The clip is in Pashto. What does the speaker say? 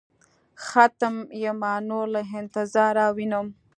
ختم يمه نور له انتظاره وينم.